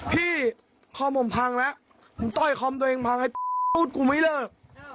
พี่คอมผมพังละมึงต้อยคอมตัวเองพังให้ป๋นกูไม่เลิก